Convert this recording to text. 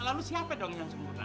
lalu siapa dong yang sempurna